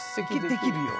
できるよ？